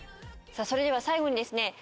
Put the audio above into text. さあそれでは最後にですね